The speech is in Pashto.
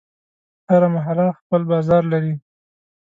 هره محله خپل بازار لري.